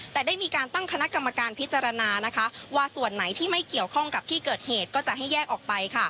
แต่ได้มีการตั้งคณะกรรมการพิจารณาว่าส่วนไหนที่ไม่เกี่ยวข้องกับที่เกิดเหตุก็จะให้แยกออกไป